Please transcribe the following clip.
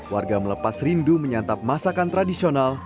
warga melepas rindu menyantap masakan tradisional